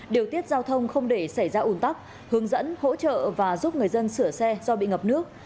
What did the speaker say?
điều tiết giao thông không để xảy ra ủn tắc hướng dẫn hỗ trợ và giúp người dân sửa xe do bị ngập nước